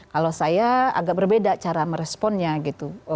kalau saya agak berbeda cara meresponnya gitu